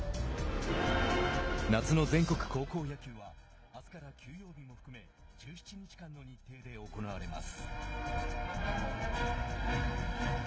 夏の全国高校野球はあすから休養日も含め１７日間の日程で行われます。